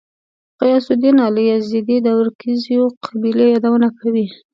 غیاث الدین علي یزدي د ورکزیو قبیلې یادونه کوي.